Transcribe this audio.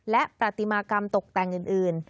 และประติมากรรมตกแต่งอื่น